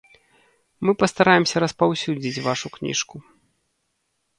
Мы пастараемся распаўсюдзіць вашу кніжку.